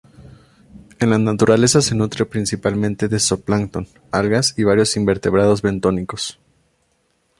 En la naturaleza se nutre principalmente de zooplancton, algas y varios invertebrados bentónicos.